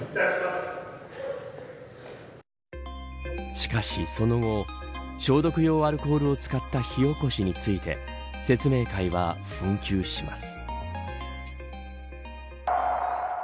しかしその後消毒用アルコールを使った火起こしについて説明会は紛糾します。